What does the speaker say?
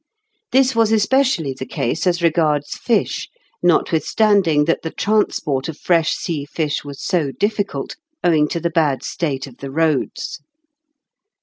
This was especially the case as regards fish, notwithstanding that the transport of fresh sea fish was so difficult, owing to the bad state of the roads.